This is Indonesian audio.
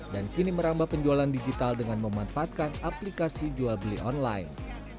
dan kini merambah penjualan digital dengan memanfaatkan aplikasi jual beli online